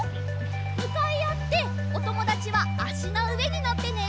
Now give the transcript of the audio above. むかいあっておともだちはあしのうえにのってね！